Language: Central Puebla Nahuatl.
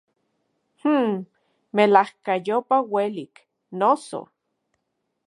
Mmmm, ¡melajkayopa uelik, noso!